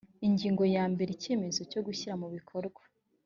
ingingo yambere icyemezo cyo gushyira mu bikorwa